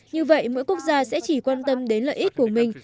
như vậy mỗi quốc gia sẽ chỉ quan tâm đến lợi ích của mình